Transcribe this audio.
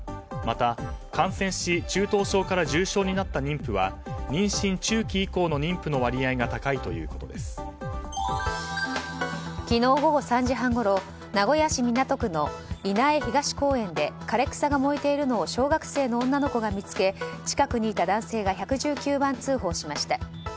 また、感染し中等症から重症になった妊婦は妊娠中期以降の妊婦の割合が昨日午後３時半ごろ古屋市港区の稲永東公園で枯草が燃えているのを小学生の女の子が見つけ近くにいた男性が１１９番通報しました。